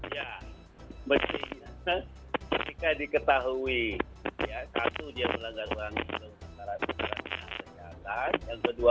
ya berarti ketika diketahui ya satu dia melanggar langgar ke dalam karantina kesehatan